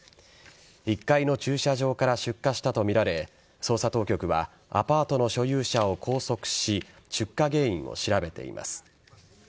１階の駐車場から出火したとみられ捜査当局はアパートの所有者を拘束し出火原因を調べています。